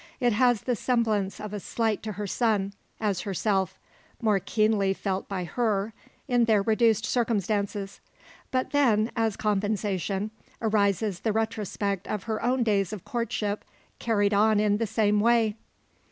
It has the semblance of a slight to her son, as herself more keenly felt by her in their reduced circumstances. But then, as compensation, arises the retrospect of her own days of courtship carried on in the same way.